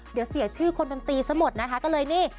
เดี๋ยวเสียชื่อคนดนตรีซะหมดนะคะก็เลยนี่